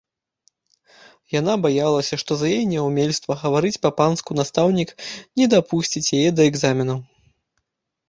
Яна баялася, што за яе няўмельства гаварыць па-панску настаўнік не дапусціць яе да экзаменаў.